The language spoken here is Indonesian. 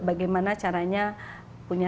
bagaimana caranya punya